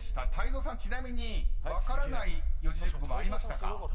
泰造さんちなみに分からない四字熟語もありましたか？］